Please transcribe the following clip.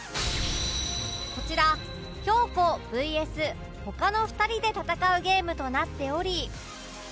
こちら京子 ＶＳ 他の２人で戦うゲームとなっており